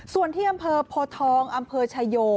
ส่วนที่อำเภอโพทองอำเภอชายโย